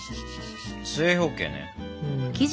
正方形ね。